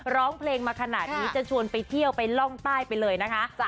ร้องเพลงมาขนาดนี้จะชวนไปเที่ยวไปล่องใต้ไปเลยนะคะ